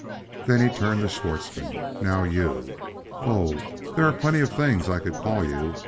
Then he turned to Schwartzmann: "Now, you! Oh, there are plenty of things I could call you!